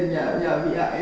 nó lại như thế